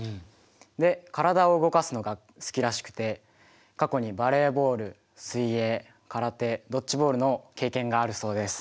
で体を動かすのが好きらしくて過去にバレーボール水泳空手ドッジボールの経験があるそうです。